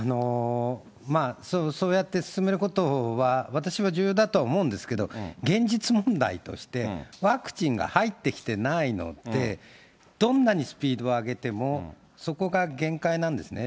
そうやって進めることは私は重要だとは思うんですけれども、現実問題として、ワクチンが入ってきてないので、どんなにスピードを上げても、そこが限界なんですね。